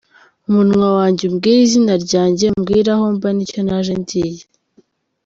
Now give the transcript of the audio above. umunwa wanjye umbwire izina ryanjye, umbwire aho mba n'icyo naje ndiye!.